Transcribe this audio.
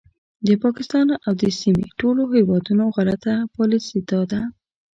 د پاکستان او د سیمې ټولو هیوادونو غلطه پالیسي دا ده